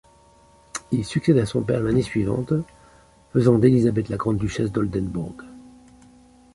Il succède à son père l'année suivante, faisant d'Élisabeth la grande-duchesse d'Oldenbourg.